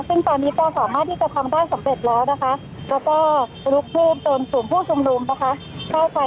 ซึ่งตอนนี้ประสอบมาที่จะทำด้านสำเร็จแล้วนะคะแล้วก็ลุกพื้นตรงศูนย์ผู้จงรุมนะคะ